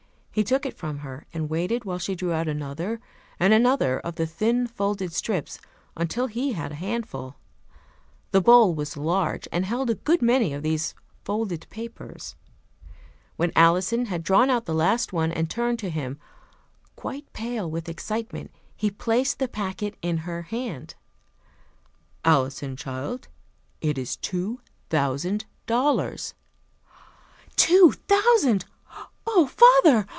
He took it from her, and waited while she drew out another and another of the thin folded slips, until he had a handful. The bowl was large, and held a good many of those folded papers. When Alison had drawn out the last one, and turned to him, quite pale with excitement, he placed the packet in her hand. "Alison, child, it is two thousand dollars!" "Two thousand! Oh, father!